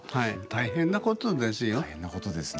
大変なことですね。